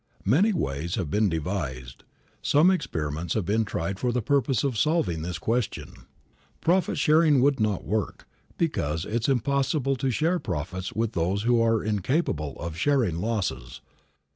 Many ways have been devised, some experiments have been tried for the purpose of solving this question. Profit sharing would not work, because it is impossible to share profits with those who are incapable of sharing losses.